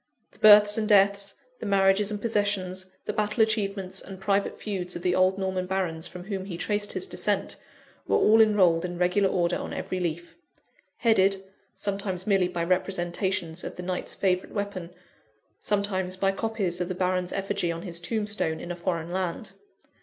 The births and deaths, the marriages and possessions, the battle achievements and private feuds of the old Norman barons from whom he traced his descent, were all enrolled in regular order on every leaf headed, sometimes merely by representations of the Knight's favourite weapon; sometimes by copies of the Baron's effigy on his tombstone in a foreign land.